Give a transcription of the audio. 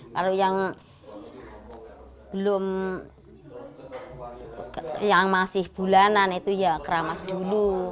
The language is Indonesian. kalau yang belum yang masih bulanan itu ya keramas dulu